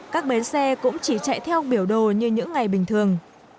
các bến xe cũng chỉ chạy theo biểu đồ như những ngày bình thường